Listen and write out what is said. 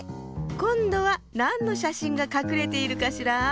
こんどはなんのしゃしんがかくれているかしら？